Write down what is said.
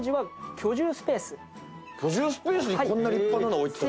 居住スペースにこんな立派なの置いてた。